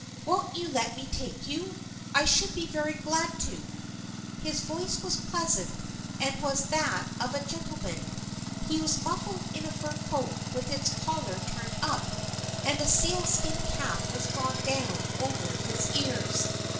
Won't you let me take you ? I should be very glad to." His voice was pleasant and was that of a gentle man. He was muffled in a fur coat with its collar turned up, and a seal skin cap was drawn down over his ears.